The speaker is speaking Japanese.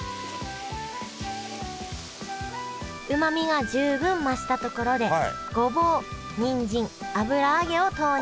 うまみが十分増したところでごぼうにんじん油揚げを投入